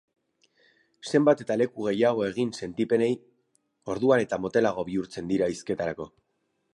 Zenbat eta leku gehiago egin sentipenei, orduan eta motelago bihurtzen dira hizketarako.